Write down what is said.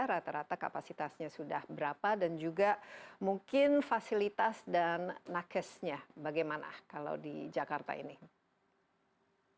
rata rata kapasitasnya sudah berapa dan juga mungkin fasilitas dan nakesnya bagaimana kalau di jakarta ini